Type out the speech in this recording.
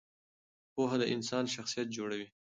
پوهه د انسان شخصیت جوړوي.